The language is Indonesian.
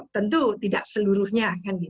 tentu tidak seluruhnya